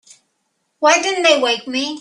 Why didn't they wake me?